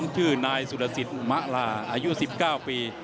ชื่อนายสุรสิทธิ์มะลาอายุ๑๙ปี